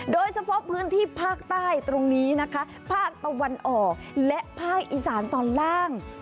โดยเฉพาะพื้นที่ภาคใต้ตรงนี้นะคะภาคตะวันออกและภาคอีสานตอนล่าง